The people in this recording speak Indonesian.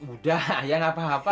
udah ayah nggak apa apa